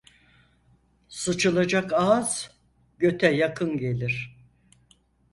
Sıçılacak ağız göte yakın gelir.